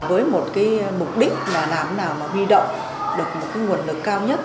với một cái mục đích là làm nào mà huy động được một cái nguồn lực cao nhất